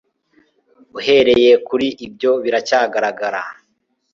Uhereye kuri ibyo biracyagaragara